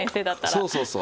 そうそうそう。